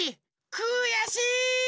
くやしい！